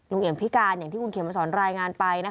เอี่ยมพิการอย่างที่คุณเขมสอนรายงานไป